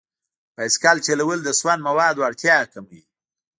بایسکل چلول د سون موادو اړتیا کموي.